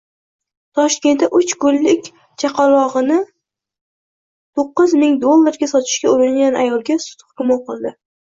Toshkentda uch kunlik chaqalog‘inito´qqizming dollarga sotishga uringan ayolga sud hukmi o‘qildi